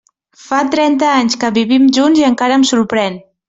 Fa trenta anys que vivim junts i encara em sorprèn.